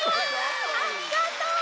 ありがとう！